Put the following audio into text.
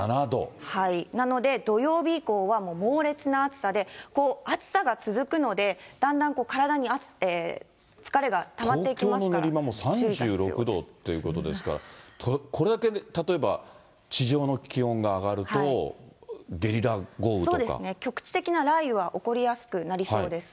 なので、土曜日以降は、猛烈な暑さで、暑さが続くので、だんだん体に疲れがたまっていきますから、東京の練馬も３６度っていうことですから、これだけ例えば、地上の気温が上がると、ゲリラ豪雨とか。局地的な雷雨が起こりやすくなりそうです。